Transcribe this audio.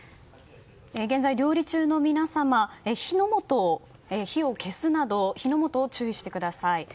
現在料理中の皆様火を消すなど火の元を注意してください。